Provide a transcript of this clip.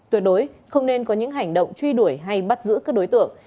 tuyệt đối không nên có những hành động truy đuổi hay bắt giữ các đối tượng